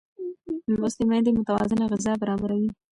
لوستې میندې متوازنه غذا برابروي.